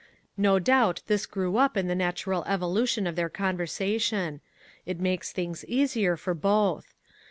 No doubt this grew up in the natural evolution of their conversation. It makes things easier for both.